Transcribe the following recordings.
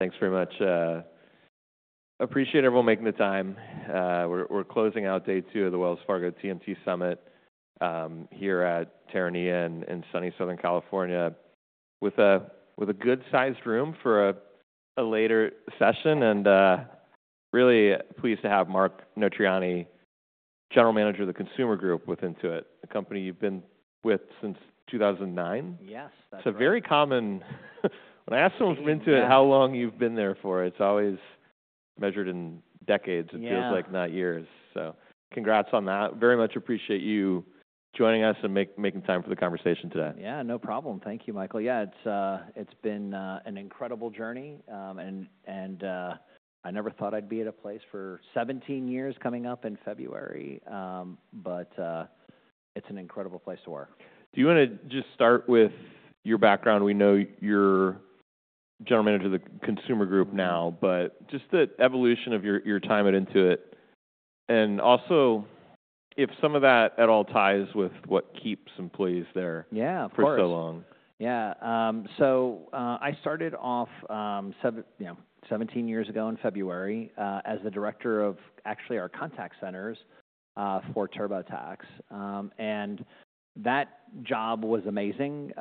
Thanks very much. Appreciate everyone making the time. We're closing out day two of the Wells Fargo TMT Summit, here at Terranea in sunny Southern California, with a good-sized room for a later session. Really pleased to have Mark Notarainni, General Manager of the Consumer Group with Intuit, a company you've been with since 2009. Yes. That's a very common, when I ask someone from Intuit how long you've been there for, it's always measured in decades. Yeah. It feels like not years. So congrats on that. Very much appreciate you joining us and making time for the conversation today. Yeah, no problem. Thank you, Michael. Yeah, it's been an incredible journey and I never thought I'd be at a place for 17 years coming up in February, but it's an incredible place to work. Do you wanna just start with your background? We know you're General Manager of the Consumer Group now, but just the evolution of your, your time at Intuit, and also if some of that at all ties with what keeps employees there. Yeah, of course. For so long. Yeah. So I started off, you know, 17 years ago in February, as the director of actually our contact centers for TurboTax. That job was amazing,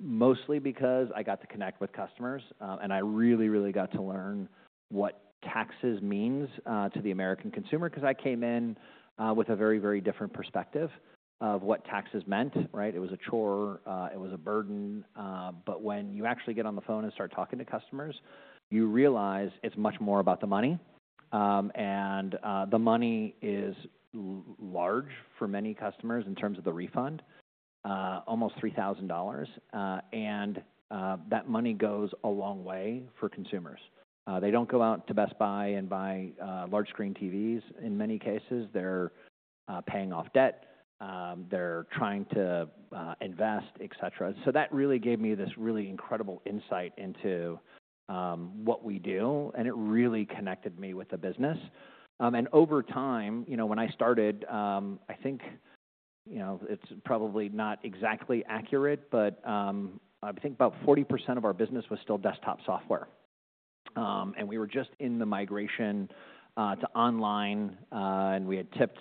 mostly because I got to connect with customers, and I really, really got to learn what taxes means to the American consumer, 'cause I came in with a very, very different perspective of what taxes meant, right? It was a chore, it was a burden, but when you actually get on the phone and start talking to customers, you realize it's much more about the money, and the money is large for many customers in terms of the refund, almost $3,000. That money goes a long way for consumers. They don't go out to Best Buy and buy large-screen TVs. In many cases, they're paying off debt. They're trying to invest, etc. So that really gave me this really incredible insight into what we do, and it really connected me with the business, and over time, you know, when I started, I think, you know, it's probably not exactly accurate, but I think about 40% of our business was still desktop software, and we were just in the migration to online, and we had tipped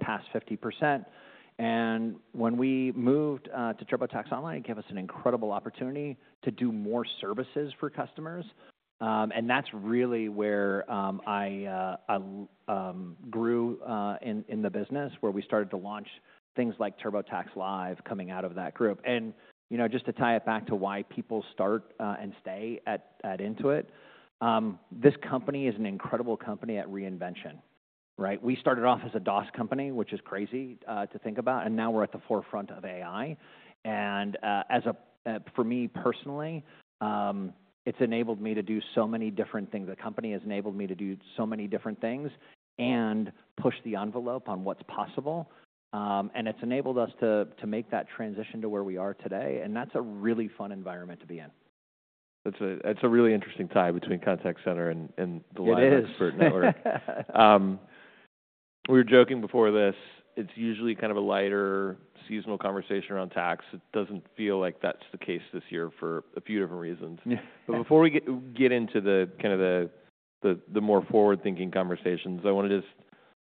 past 50%, and when we moved to TurboTax Online, it gave us an incredible opportunity to do more services for customers, and that's really where I grew in the business, where we started to launch things like TurboTax Live coming out of that group, and you know, just to tie it back to why people start and stay at Intuit, this company is an incredible company at reinvention, right? We started off as a DOS company, which is crazy to think about, and now we're at the forefront of AI. And, as a, for me personally, it's enabled me to do so many different things. The company has enabled me to do so many different things and push the envelope on what's possible, and it's enabled us to make that transition to where we are today. And that's a really fun environment to be in. That's a really interesting tie between contact center and the large. It is. Expert network. We were joking before this. It's usually kind of a lighter, seasonal conversation around tax. It doesn't feel like that's the case this year for a few different reasons. Yeah. But before we get into the kind of the more forward-thinking conversations, I wanna just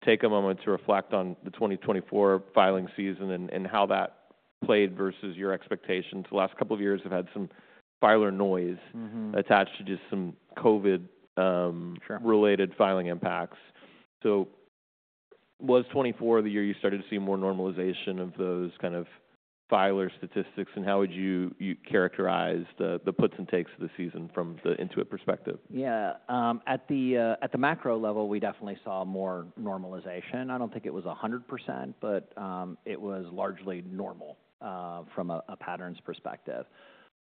take a moment to reflect on the 2024 filing season and how that played versus your expectations. The last couple of years have had some filer noise. Attached to just some COVID, Sure. Related filing impacts. Was 2024 the year you started to see more normalization of those kind of filer statistics? And how would you characterize the puts and takes of the season from the Intuit perspective? Yeah. At the macro level, we definitely saw more normalization. I don't think it was 100%, but it was largely normal from a patterns perspective.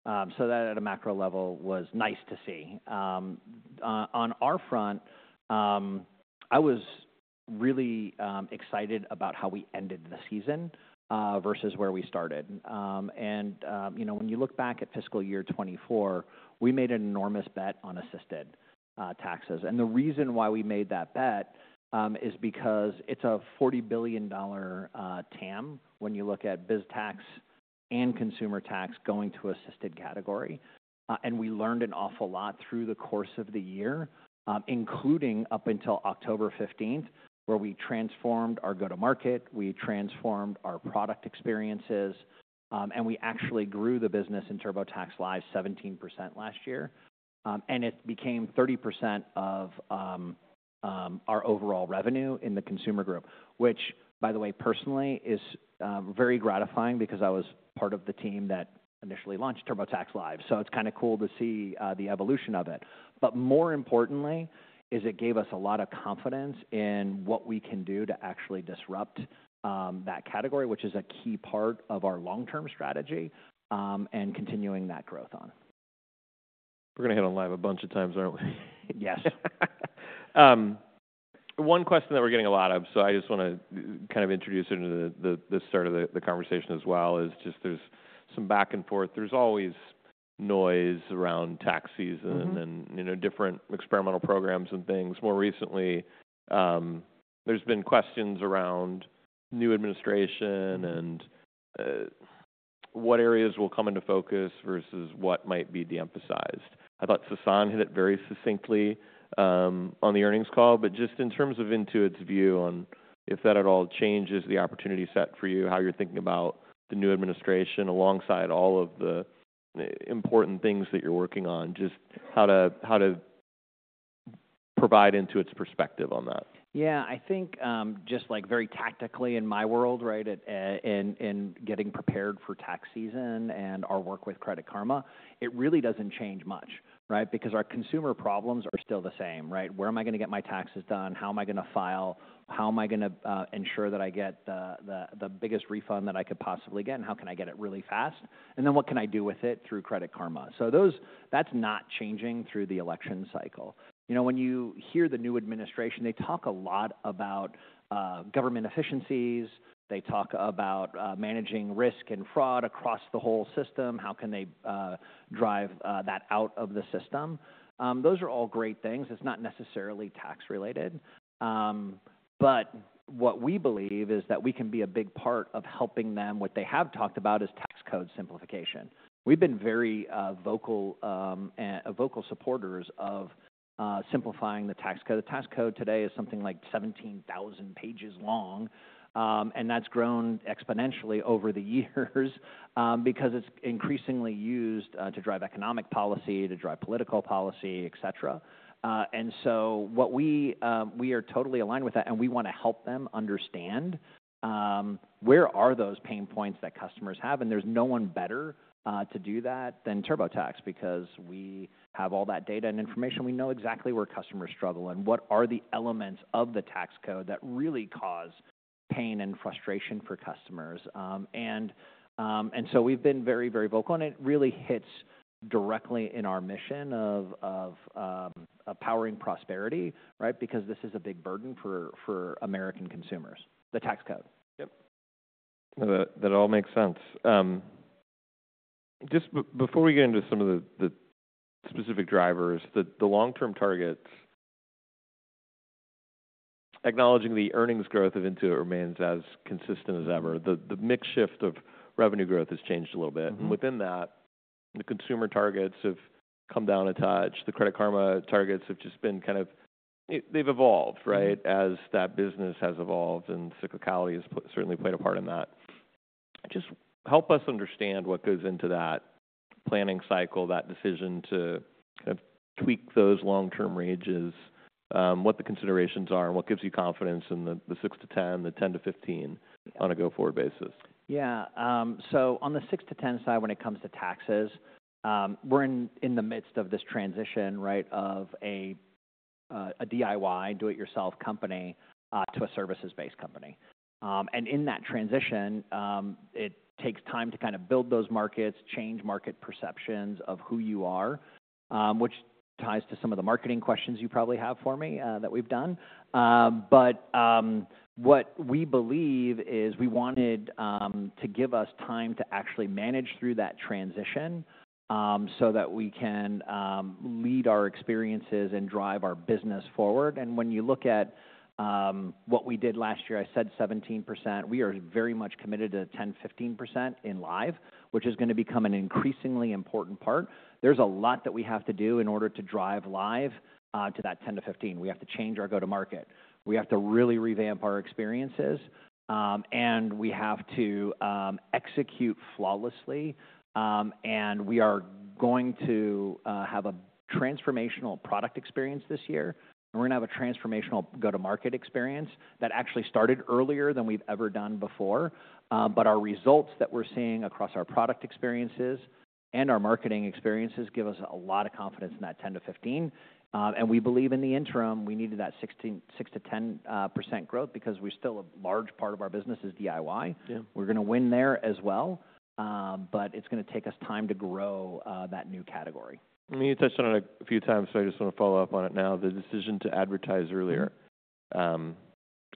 That at a macro level was nice to see. On our front, I was really excited about how we ended the season versus where we started. And you know, when you look back at fiscal year 2024, we made an enormous bet on assisted taxes. And the reason why we made that bet is because it's a $40 billion TAM when you look at biz tax and consumer tax going to assisted category. And we learned an awful lot through the course of the year, including up until October 15th, where we transformed our go-to-market, we transformed our product experiences, and we actually grew the business in TurboTax Live 17% last year. And it became 30% of our overall revenue in the Consumer Group, which, by the way, personally is very gratifying because I was part of the team that initially launched TurboTax Live. So it's kinda cool to see the evolution of it. But more importantly, is that it gave us a lot of confidence in what we can do to actually disrupt that category, which is a key part of our long-term strategy, and continuing that growth on. We're gonna hit on live a bunch of times, aren't we? Yes. One question that we're getting a lot of, so I just wanna kind of introduce it into the start of the conversation as well, is just there's some back and forth. There's always noise around tax season and, you know, different experimental programs and things. More recently, there's been questions around new administration and, what areas will come into focus versus what might be de-emphasized. I thought Sasan hit it very succinctly on the earnings call, but just in terms of Intuit's view on if that at all changes the opportunity set for you, how you're thinking about the new administration alongside all of the important things that you're working on, just how to provide Intuit's perspective on that. Yeah. I think, just like very tactically in my world, right, in getting prepared for tax season and our work with Credit Karma, it really doesn't change much, right? Because our consumer problems are still the same, right? Where am I gonna get my taxes done? How am I gonna file? How am I gonna ensure that I get the biggest refund that I could possibly get? And how can I get it really fast? And then what can I do with it through Credit Karma? So those, that's not changing through the election cycle. You know, when you hear the new administration, they talk a lot about government efficiencies. They talk about managing risk and fraud across the whole system. How can they drive that out of the system? Those are all great things. It's not necessarily tax-related. But what we believe is that we can be a big part of helping them. What they have talked about is tax code simplification. We've been very vocal supporters of simplifying the tax code. The tax code today is something like 17,000 pages long, and that's grown exponentially over the years, because it's increasingly used to drive economic policy, to drive political policy, etc. And so what we are totally aligned with that, and we wanna help them understand where are those pain points that customers have? And there's no one better to do that than TurboTax because we have all that data and information. We know exactly where customers struggle and what are the elements of the tax code that really cause pain and frustration for customers. And so we've been very, very vocal, and it really hits directly in our mission of powering prosperity, right? Because this is a big burden for American consumers, the tax code. Yep. No, that all makes sense. Just before we get into some of the specific drivers, the long-term targets, acknowledging the earnings growth of Intuit remains as consistent as ever. The mixed shift of revenue growth has changed a little bit. Within that, the consumer targets have come down a touch. The Credit Karma targets have just been kind of, they've evolved, right? As that business has evolved, and cyclicality has certainly played a part in that. Just help us understand what goes into that planning cycle, that decision to kind of tweak those long-term ranges, what the considerations are, and what gives you confidence in the 6 to 10, the 10 to 15 on a go-forward basis? Yeah. So on the 6 - 10 side, when it comes to taxes, we're in the midst of this transition, right, of a DIY, do-it-yourself company to a services-based company. In that transition, it takes time to kind of build those markets, change market perceptions of who you are, which ties to some of the marketing questions you probably have for me that we've done. But what we believe is we wanted to give us time to actually manage through that transition, so that we can lead our experiences and drive our business forward. When you look at what we did last year, I said 17%. We are very much committed to 10-15% in Live, which is gonna become an increasingly important part. There's a lot that we have to do in order to drive Live to that 10-15. We have to change our go-to-market. We have to really revamp our experiences, and we have to execute flawlessly, and we are going to have a transformational product experience this year. We're gonna have a transformational go-to-market experience that actually started earlier than we've ever done before, but our results that we're seeing across our product experiences and our marketing experiences give us a lot of confidence in that 10%-15%, and we believe in the interim we needed that 16.6-10% growth because we're still a large part of our business is DIY. Yeah. We're gonna win there as well. But it's gonna take us time to grow, that new category. I mean, you touched on it a few times, so I just wanna follow up on it now. The decision to advertise earlier,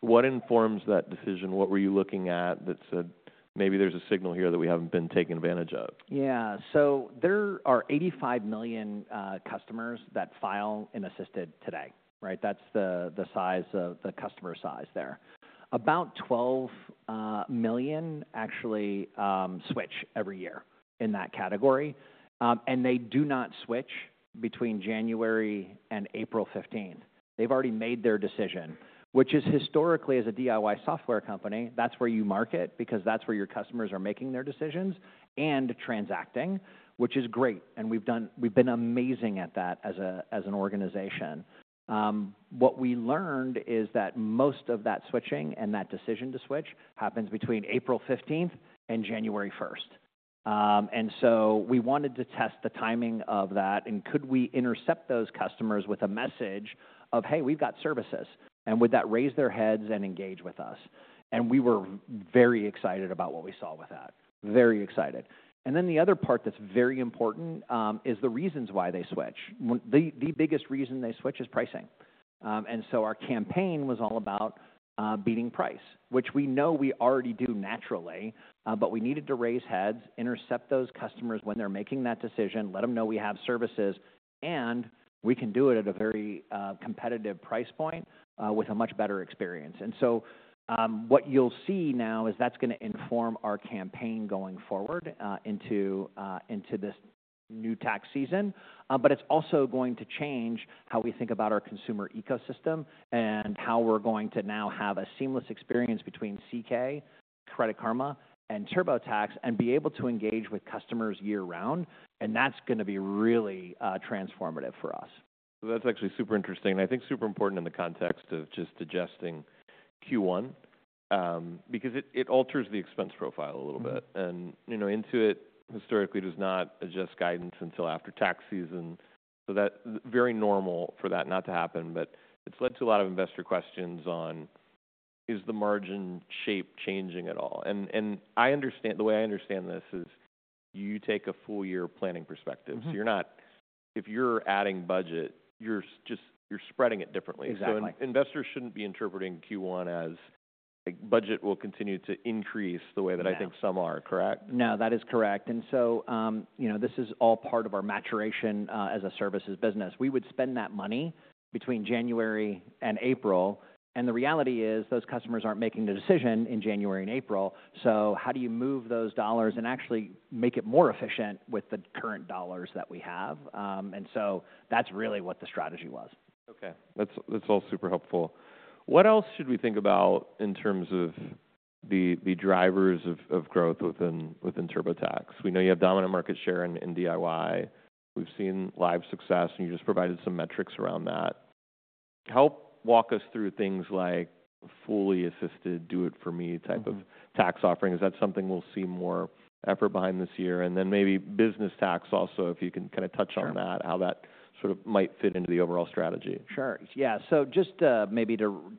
what informs that decision? What were you looking at that said maybe there's a signal here that we haven't been taken advantage of? Yeah. So there are 85 million customers that file in assisted today, right? That's the size of the customer size there. About 12 million actually switch every year in that category. They do not switch between January and April 15th. They've already made their decision, which is historically, as a DIY software company, that's where you market because that's where your customers are making their decisions and transacting, which is great. We've done; we've been amazing at that as an organization. What we learned is that most of that switching and that decision to switch happens between April 15th and January 1st. So we wanted to test the timing of that and could we intercept those customers with a message of, "Hey, we've got services," and would that raise their heads and engage with us? And we were very excited about what we saw with that. Very excited. And then the other part that's very important is the reasons why they switch. The biggest reason they switch is pricing. And so our campaign was all about beating price, which we know we already do naturally, but we needed to raise heads, intercept those customers when they're making that decision, let them know we have services, and we can do it at a very competitive price point, with a much better experience. And so, what you'll see now is that's gonna inform our campaign going forward into this new tax season. But it's also going to change how we think about our consumer ecosystem and how we're going to now have a seamless experience between CK, Credit Karma, and TurboTax and be able to engage with customers year-round. That's gonna be really transformative for us. That's actually super interesting. And I think super important in the context of just adjusting Q1, because it, it alters the expense profile a little bit. And, you know, Intuit historically does not adjust guidance until after tax season. So that very normal for that not to happen, but it's led to a lot of investor questions on, is the margin shape changing at all? And, and I understand the way I understand this is you take a full-year planning perspective. You're not. If you're adding budget, you're just spreading it differently. Exactly. So investors shouldn't be interpreting Q1 as budget will continue to increase the way that I think some are, correct? No, that is correct. You know, this is all part of our maturation, as a services business. We would spend that money between January and April. The reality is those customers aren't making the decision in January and April. How do you move those dollars and actually make it more efficient with the current dollars that we have? That's really what the strategy was. Okay. That's all super helpful. What else should we think about in terms of the drivers of growth within TurboTax? We know you have dominant market share in DIY. We've seen live success, and you just provided some metrics around that. Help walk us through things like fully assisted, do-it-for-me type of tax offering. Is that something we'll see more effort behind this year? And then maybe business tax also, if you can kinda touch on that. Sure. How that sort of might fit into the overall strategy. Sure. Yeah. So, just maybe to,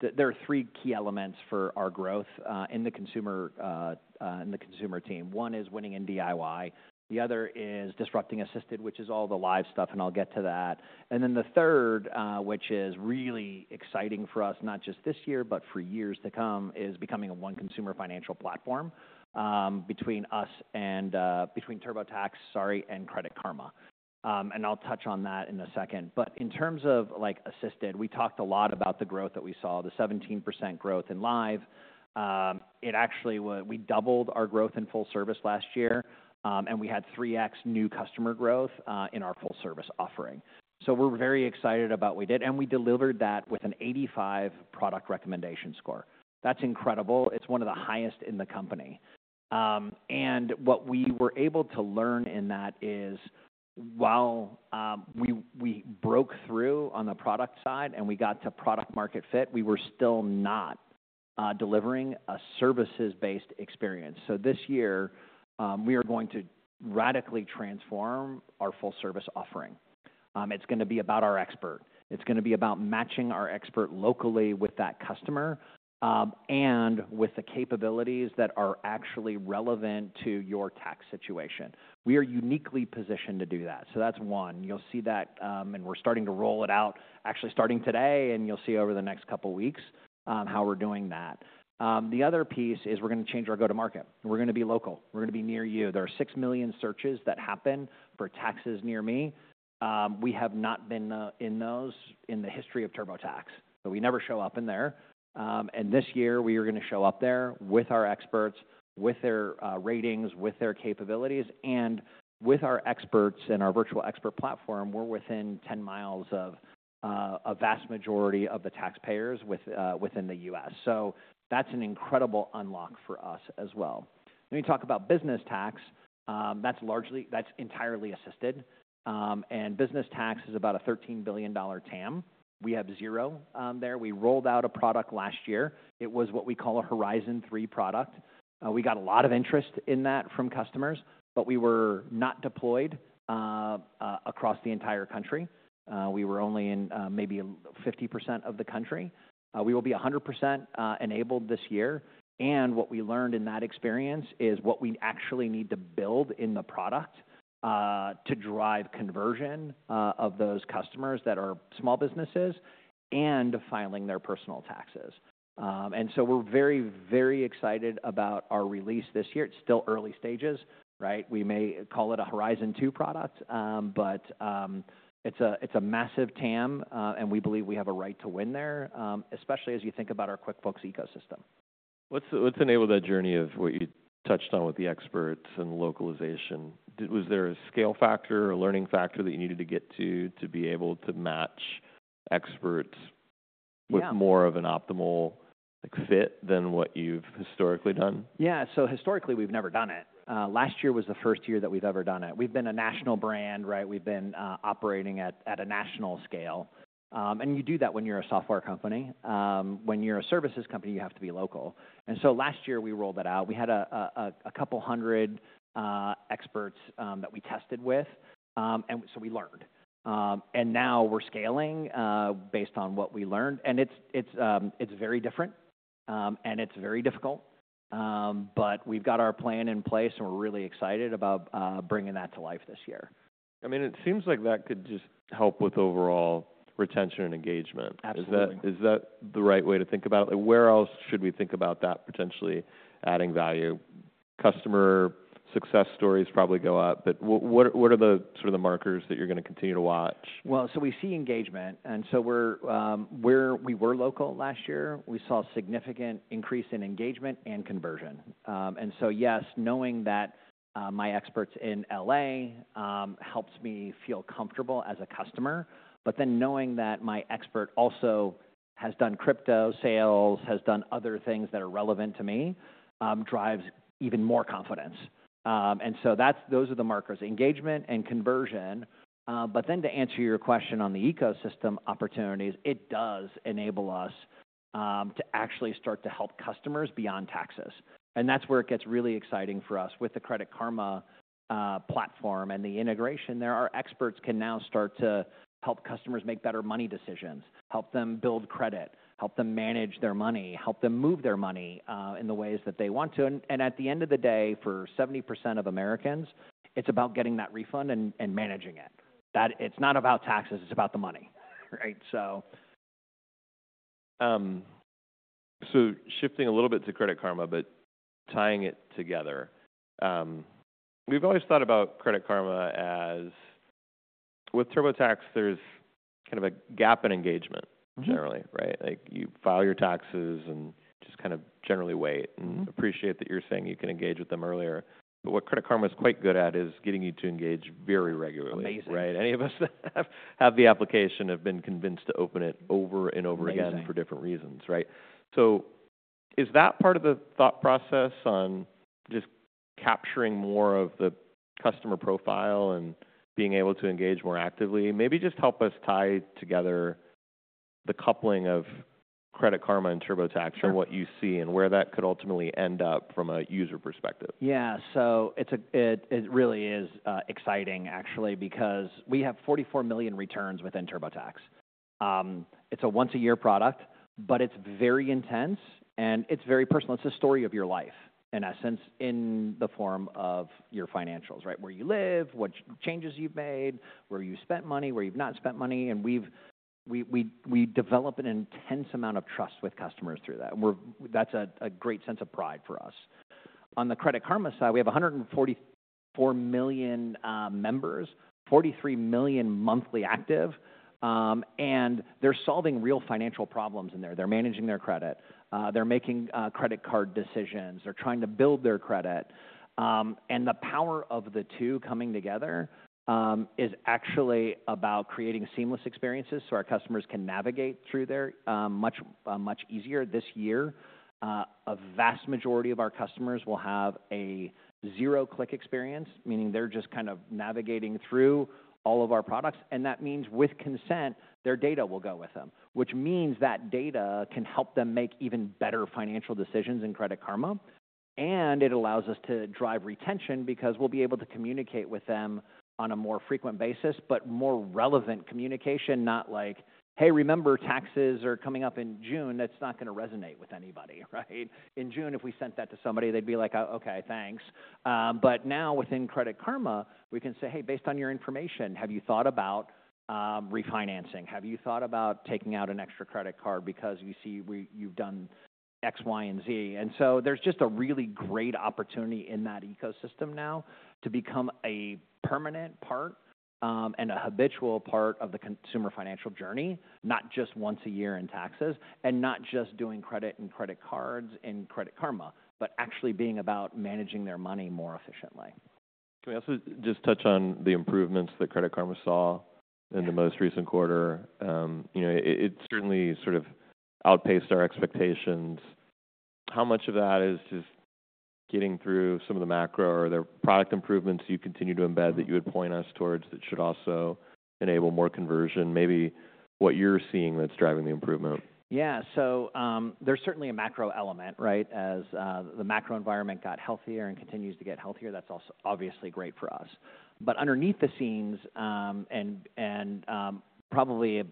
there are three key elements for our growth in the consumer team. One is winning in DIY. The other is disrupting assisted, which is all the live stuff, and I'll get to that, and then the third, which is really exciting for us, not just this year, but for years to come, is becoming a one-consumer financial platform between us and between TurboTax, sorry, and Credit Karma, and I'll touch on that in a second. But in terms of like assisted, we talked a lot about the growth that we saw, the 17% growth in live. It actually was, we doubled our growth in full service last year, and we had 3X new customer growth in our full-service offering, so we're very excited about what we did, and we delivered that with an 85 product recommendation score. That's incredible. It's one of the highest in the company, and what we were able to learn in that is while we broke through on the product side and we got to product-market fit, we were still not delivering a services-based experience. So this year, we are going to radically transform our full-service offering. It's gonna be about our expert. It's gonna be about matching our expert locally with that customer, and with the capabilities that are actually relevant to your tax situation. We are uniquely positioned to do that. So that's one. You'll see that, and we're starting to roll it out, actually starting today, and you'll see over the next couple of weeks, how we're doing that. The other piece is we're gonna change our go-to-market. We're gonna be local. We're gonna be near you. There are six million searches that happen for taxes near me. We have not been in the history of TurboTax, but we never show up in there. This year we are gonna show up there with our experts, with their ratings, with their capabilities, and with our experts and our Virtual Expert Platform. We're within 10 miles of a vast majority of the taxpayers within the U.S. So that's an incredible unlock for us as well. When you talk about business tax, that's largely, that's entirely assisted. Business tax is about a $13 billion TAM. We have zero there. We rolled out a product last year. It was what we call a Horizon 3 product. We got a lot of interest in that from customers, but we were not deployed across the entire country. We were only in maybe 50% of the country. We will be 100% enabled this year. And what we learned in that experience is what we actually need to build in the product, to drive conversion, of those customers that are small businesses and filing their personal taxes. And so we're very, very excited about our release this year. It's still early stages, right? We may call it a Horizon 2 product, but it's a massive TAM, and we believe we have a right to win there, especially as you think about our QuickBooks ecosystem. What's enabled that journey of what you touched on with the experts and localization? Was there a scale factor, a learning factor that you needed to get to, to be able to match experts with more of an optimal, like, fit than what you've historically done? Yeah. So historically, we've never done it. Last year was the first year that we've ever done it. We've been a national brand, right? We've been operating at a national scale. And you do that when you're a software company. When you're a services company, you have to be local. And so last year we rolled that out. We had a couple hundred experts that we tested with. And so we learned. And now we're scaling based on what we learned. And it's very different, and it's very difficult. But we've got our plan in place, and we're really excited about bringing that to life this year. I mean, it seems like that could just help with overall retention and engagement. Absolutely. Is that the right way to think about it? Like, where else should we think about that potentially adding value? Customer success stories probably go up, but what are the sort of markers that you're gonna continue to watch? Well, so we see engagement. And so we're where we were local last year; we saw a significant increase in engagement and conversion. And so yes, knowing that my experts in LA helps me feel comfortable as a customer. But then knowing that my expert also has done crypto sales, has done other things that are relevant to me, drives even more confidence. And so that's those are the markers: engagement and conversion. But then to answer your question on the ecosystem opportunities, it does enable us to actually start to help customers beyond taxes. And that's where it gets really exciting for us with the Credit Karma platform and the integration there. Our experts can now start to help customers make better money decisions, help them build credit, help them manage their money, help them move their money in the ways that they want to. At the end of the day, for 70% of Americans, it's about getting that refund and managing it. That it's not about taxes. It's about the money, right? So. So shifting a little bit to Credit Karma, but tying it together, we've always thought about Credit Karma as with TurboTax, there's kind of a gap in engagement generally, right? Like, you file your taxes and just kind of generally wait and appreciate that you're saying you can engage with them earlier. But what Credit Karma is quite good at is getting you to engage very regularly. Amazing. Right? Any of us that have the application have been convinced to open it over and over again for different reasons, right? So is that part of the thought process on just capturing more of the customer profile and being able to engage more actively? Maybe just help us tie together the coupling of Credit Karma and TurboTax and what you see and where that could ultimately end up from a user perspective. Yeah. So it really is exciting actually because we have 44 million returns within TurboTax. It's a once-a-year product, but it's very intense and it's very personal. It's a story of your life in essence in the form of your financials, right? Where you live, what changes you've made, where you spent money, where you've not spent money. And we've developed an intense amount of trust with customers through that. We're, that's a great sense of pride for us. On the Credit Karma side, we have 144 million members, 43 million monthly active. And they're solving real financial problems in there. They're managing their credit. They're making credit card decisions. They're trying to build their credit. And the power of the two coming together is actually about creating seamless experiences so our customers can navigate through their much easier this year. A vast majority of our customers will have a zero-click experience, meaning they're just kind of navigating through all of our products. And that means with consent, their data will go with them, which means that data can help them make even better financial decisions in Credit Karma. And it allows us to drive retention because we'll be able to communicate with them on a more frequent basis, but more relevant communication, not like, "Hey, remember, taxes are coming up in June." That's not gonna resonate with anybody, right? In June, if we sent that to somebody, they'd be like, "Oh, okay, thanks." But now within Credit Karma, we can say, "Hey, based on your information, have you thought about, refinancing? Have you thought about taking out an extra credit card because you see you've done X, Y, and Z?" and so there's just a really great opportunity in that ecosystem now to become a permanent part, and a habitual part of the consumer financial journey, not just once a year in taxes and not just doing credit and credit cards in Credit Karma, but actually being about managing their money more efficiently. Can we also just touch on the improvements that Credit Karma saw in the most recent quarter? You know, it certainly sort of outpaced our expectations. How much of that is just getting through some of the macro or the product improvements you continue to embed that you would point us towards that should also enable more conversion, maybe what you're seeing that's driving the improvement? Yeah. So, there's certainly a macro element, right? As the macro environment got healthier and continues to get healthier, that's also obviously great for us. But behind the scenes, and probably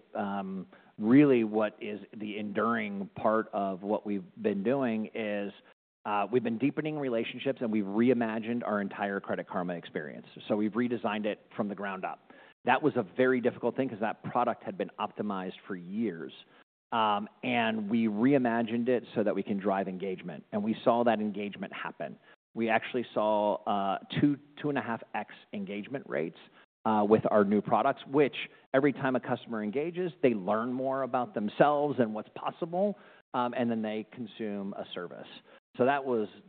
really what is the enduring part of what we've been doing is, we've been deepening relationships and we've reimagined our entire Credit Karma experience. So we've redesigned it from the ground up. That was a very difficult thing 'cause that product had been optimized for years, and we reimagined it so that we can drive engagement. And we saw that engagement happen. We actually saw two to two and a half x engagement rates with our new products, which every time a customer engages, they learn more about themselves and what's possible, and then they consume a service. So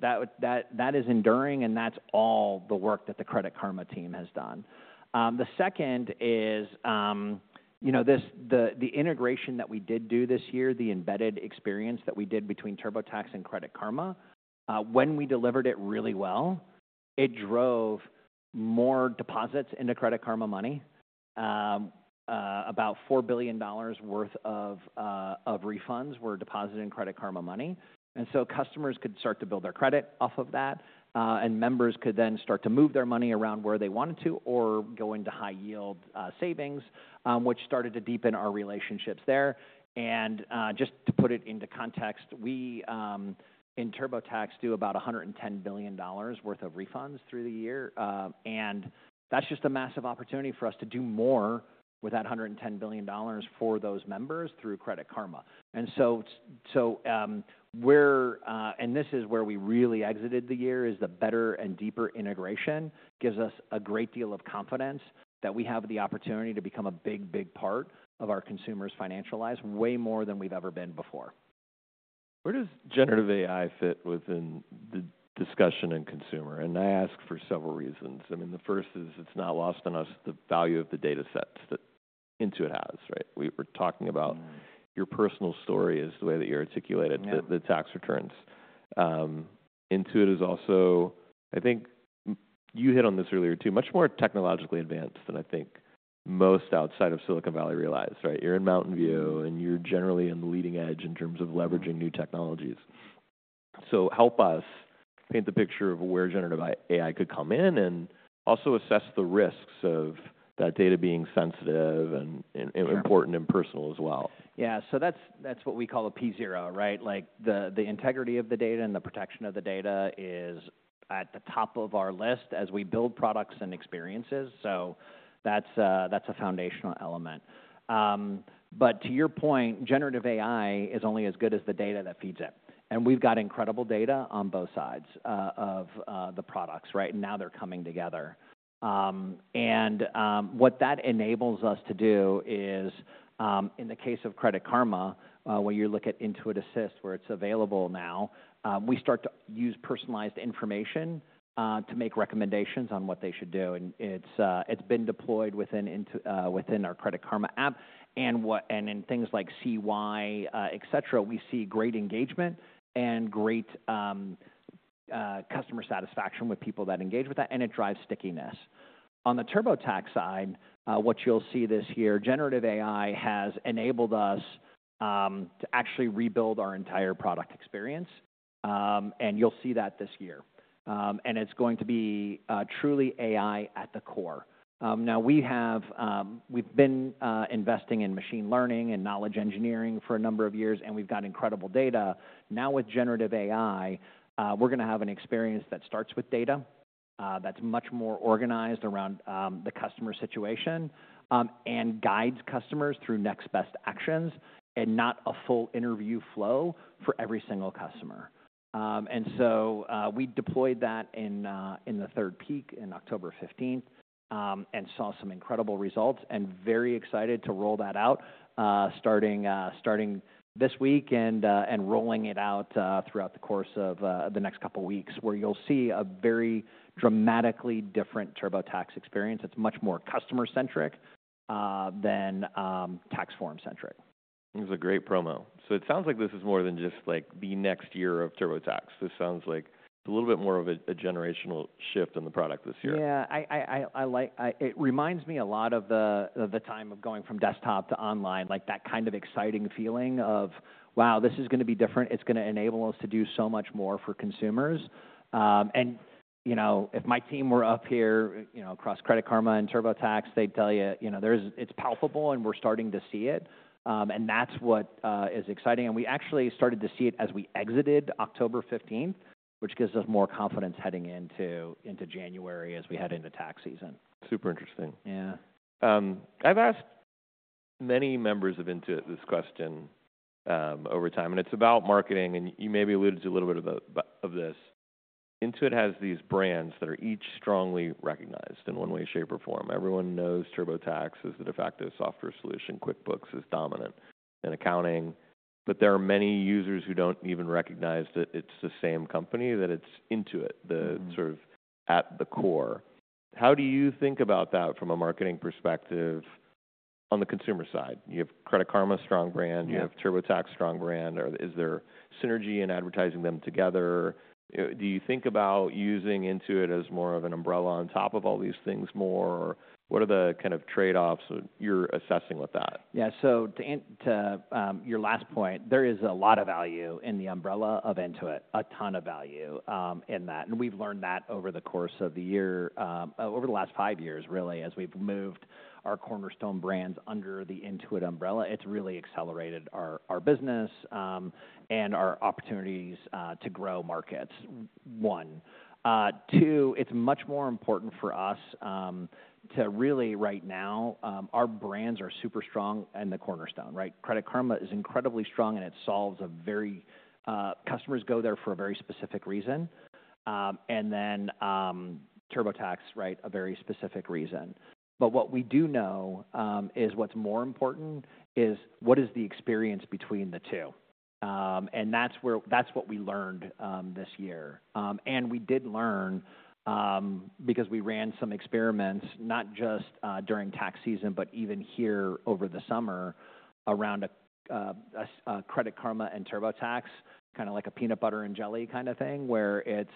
that is enduring, and that's all the work that the Credit Karma team has done. The second is, you know, this, the integration that we did do this year, the embedded experience that we did between TurboTax and Credit Karma. When we delivered it really well, it drove more deposits into Credit Karma Money. About $4 billion worth of refunds were deposited in Credit Karma Money. And so customers could start to build their credit off of that, and members could then start to move their money around where they wanted to or go into high-yield savings, which started to deepen our relationships there. And, just to put it into context, we in TurboTax do about $110 billion worth of refunds through the year, and that's just a massive opportunity for us to do more with that $110 billion for those members through Credit Karma. So, this is where we really exited the year. The better and deeper integration gives us a great deal of confidence that we have the opportunity to become a big, big part of our consumers' financial lives way more than we've ever been before. Where does generative AI fit within the discussion and consumer? And I ask for several reasons. I mean, the first is it's not lost on us the value of the datasets that Intuit has, right? We were talking about your personal story is the way that you articulated the tax returns. Intuit is also, I think you hit on this earlier too, much more technologically advanced than I think most outside of Silicon Valley realize, right? You're in Mountain View and you're generally in the leading edge in terms of leveraging new technologies. So help us paint the picture of where generative AI could come in and also assess the risks of that data being sensitive and important and personal as well. Yeah. So that's, that's what we call a P Zero, right? Like the, the integrity of the data and the protection of the data is at the top of our list as we build products and experiences. So that's, that's a foundational element. But to your point, generative AI is only as good as the data that feeds it. And we've got incredible data on both sides of the products, right? And now they're coming together, and what that enables us to do is, in the case of Credit Karma, when you look at Intuit Assist, where it's available now, we start to use personalized information to make recommendations on what they should do. And it's, it's been deployed within Intuit, within our Credit Karma app. And in things like CK, et cetera, we see great engagement and great customer satisfaction with people that engage with that. And it drives stickiness. On the TurboTax side, what you'll see this year, generative AI has enabled us to actually rebuild our entire product experience. And you'll see that this year. And it's going to be truly AI at the core. Now we have, we've been investing in machine learning and Knowledge Engineering for a number of years, and we've got incredible data. Now with generative AI, we're gonna have an experience that starts with data, that's much more organized around the customer situation, and guides customers through next best actions and not a full interview flow for every single customer. And so, we deployed that in the third peak on October 15th, and saw some incredible results and very excited to roll that out, starting this week and rolling it out throughout the course of the next couple weeks where you'll see a very dramatically different TurboTax experience. It's much more customer-centric than tax form-centric. It was a great promo. So it sounds like this is more than just like the next year of TurboTax. This sounds like a little bit more of a generational shift in the product this year. Yeah. I like it reminds me a lot of the time of going from desktop to online, like that kind of exciting feeling of wow, this is gonna be different. It's gonna enable us to do so much more for consumers. You know, if my team were up here, you know, across Credit Karma and TurboTax, they'd tell you, you know, there's. It's palpable and we're starting to see it. That's what is exciting. We actually started to see it as we exited October 15th, which gives us more confidence heading into January as we head into tax season. Super interesting. Yeah. I've asked many members of Intuit this question, over time, and it's about marketing. You maybe alluded to a little bit of this. Intuit has these brands that are each strongly recognized in one way, shape, or form. Everyone knows TurboTax as the de facto software solution. QuickBooks is dominant in accounting, but there are many users who don't even recognize that it's the same company, that it's Intuit, the sort of at the core. How do you think about that from a marketing perspective on the consumer side? You have Credit Karma, strong brand. You have TurboTax, strong brand. Or is there synergy in advertising them together? Do you think about using Intuit as more of an umbrella on top of all these things more? Or what are the kind of trade-offs you're assessing with that? Yeah. So to your last point, there is a lot of value in the umbrella of Intuit, a ton of value in that. We've learned that over the course of the year, over the last five years really, as we've moved our cornerstone brands under the Intuit umbrella. It's really accelerated our business and our opportunities to grow markets. One, two, it's much more important for us to really right now our brands are super strong and the cornerstone, right? Credit Karma is incredibly strong and it solves a very customers go there for a very specific reason. And then TurboTax, right, a very specific reason. But what we do know is what's more important is what is the experience between the two. And that's where, that's what we learned this year. And we did learn, because we ran some experiments, not just during tax season, but even here over the summer around a Credit Karma and TurboTax, kind of like a peanut butter and jelly kind of thing where it's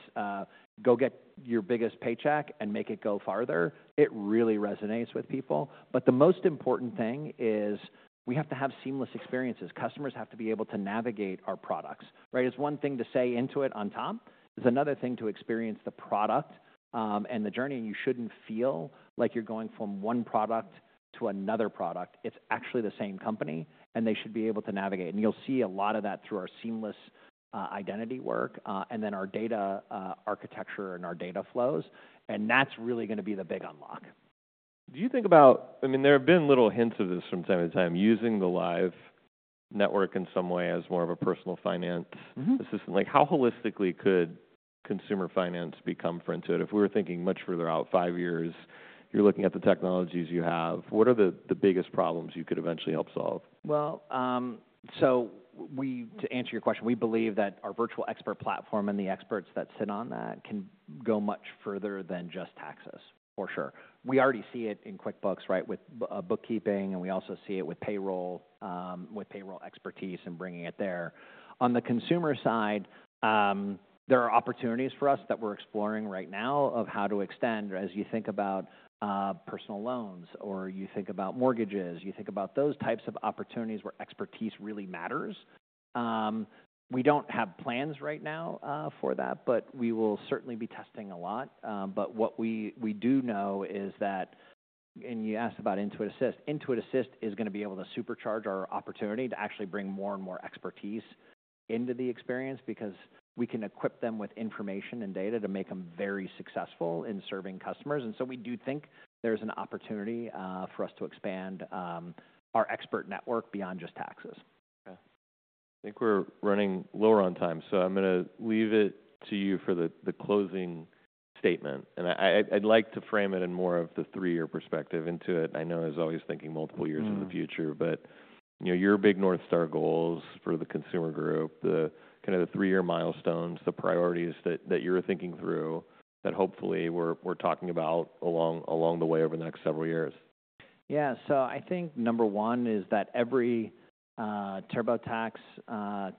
go get your biggest paycheck and make it go farther. It really resonates with people. But the most important thing is we have to have seamless experiences. Customers have to be able to navigate our products, right? It's one thing to say Intuit on top. It's another thing to experience the product, and the journey. And you shouldn't feel like you're going from one product to another product. It's actually the same company and they should be able to navigate. And you'll see a lot of that through our seamless identity work, and then our data architecture and our data flows. And that's really gonna be the big unlock. Do you think about, I mean, there have been little hints of this from time to time using the live network in some way as more of a personal finance assistant. Like, how holistically could consumer finance become for Intuit? If we were thinking much further out, five years, you're looking at the technologies you have, what are the biggest problems you could eventually help solve? So we, to answer your question, we believe that our Virtual Expert Platform and the experts that sit on that can go much further than just taxes, for sure. We already see it in QuickBooks, right, with bookkeeping. And we also see it with payroll, with payroll expertise and bringing it there. On the consumer side, there are opportunities for us that we're exploring right now of how to extend as you think about personal loans or you think about mortgages, you think about those types of opportunities where expertise really matters. We don't have plans right now for that, but we will certainly be testing a lot. But what we do know is that, and you asked about Intuit Assist. Intuit Assist is gonna be able to supercharge our opportunity to actually bring more and more expertise into the experience because we can equip them with information and data to make 'em very successful in serving customers. And so we do think there's an opportunity for us to expand our expert network beyond just taxes. Okay. I think we're running lower on time. So I'm gonna leave it to you for the closing statement. And I'd like to frame it in more of the three-year perspective. Intuit, I know is always thinking multiple years in the future, but you know, your big North Star goals for the Consumer Group, the kind of the three-year milestones, the priorities that you're thinking through that hopefully we're talking about along the way over the next several years. Yeah. So I think number one is that every TurboTax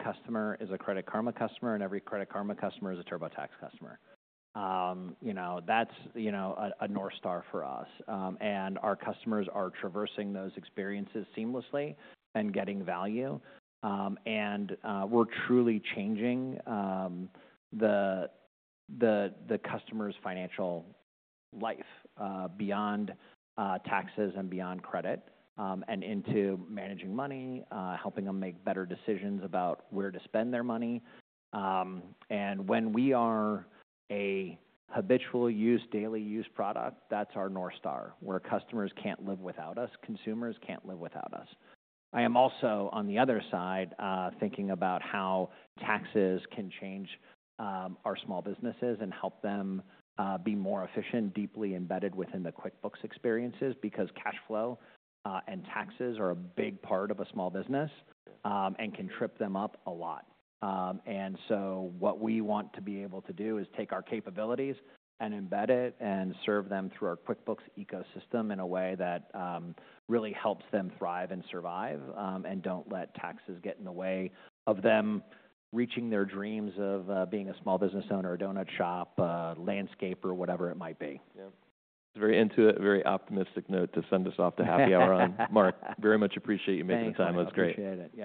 customer is a Credit Karma customer and every Credit Karma customer is a TurboTax customer, you know. That's, you know, a North Star for us. Our customers are traversing those experiences seamlessly and getting value. We're truly changing the customer's financial life beyond taxes and beyond credit and into managing money, helping 'em make better decisions about where to spend their money, and when we are a habitual use, daily use product, that's our North Star where customers can't live without us. Consumers can't live without us. I am also on the other side, thinking about how taxes can change our small businesses and help them be more efficient, deeply embedded within the QuickBooks experiences because cash flow and taxes are a big part of a small business and can trip them up a lot. And so what we want to be able to do is take our capabilities and embed it and serve them through our QuickBooks ecosystem in a way that really helps them thrive and survive, and don't let taxes get in the way of them reaching their dreams of being a small business owner, a donut shop, landscaper, whatever it might be. Yeah. It's a very Intuit, very optimistic note to send us off to happy hour on Mark. Very much appreciate you making the time. It was great. I appreciate it.